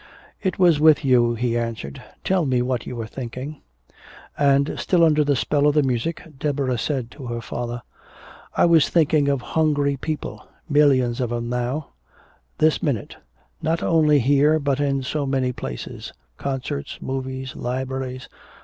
"It was with you," he answered. "Tell me what you were thinking." And still under the spell of the music, Deborah said to her father, "I was thinking of hungry people millions of them, now, this minute not only here but in so many places concerts, movies, libraries.